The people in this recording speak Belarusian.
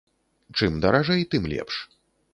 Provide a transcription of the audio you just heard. Чым даражэй, тым лепш.